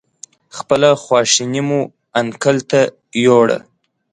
خپله خواشیني مو انکل ته ویوړه.